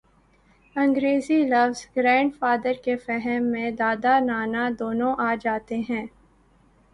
انگریزی لفظ grandfather کے فہم میں دادا، نانا دونوں آ جاتے ہیں۔